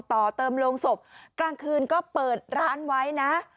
ต่อเติมโรงศพกลางคืนก็เปิดร้านไว้นะ